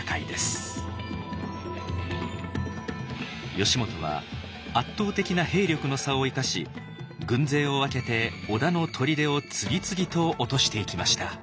義元は圧倒的な兵力の差を生かし軍勢を分けて織田の砦を次々と落としていきました。